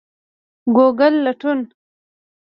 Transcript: ګوګل لټون